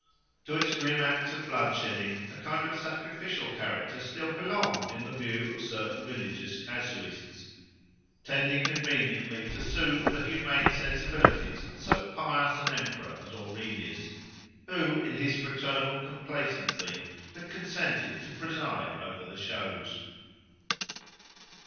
To its grim acts of blood shedding a kind of sacrificial character still belonged in the view of certain religious casuists, tending conveniently to soothe the humane sensibilities of so pious an emperor as Aurelius, who, in his fraternal complacency, had consented to preside over the shows.